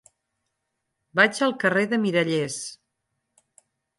Vaig al carrer de Mirallers.